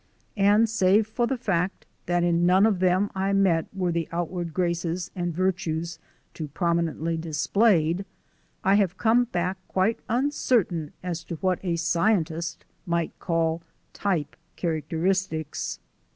And save for the fact that in none of them I met were the outward graces and virtues too prominently displayed, I have come back quite uncertain as to what a scientist might call type characteristics.